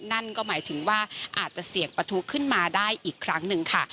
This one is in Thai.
นั่นก็หมายถึงว่าอาจจะเสี่ยงประทุขึ้นมาได้อีกครั้งหนึ่งค่ะ